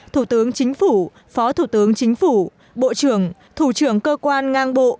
thủ tướng chính phủ phó thủ tướng chính phủ bộ trưởng thủ trưởng cơ quan ngang bộ